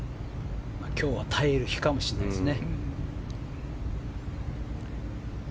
今日は耐える日かもしれませんね。